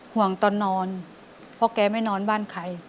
ห่วงตอนนอนเพราะแกไม่นอนบ้านใคร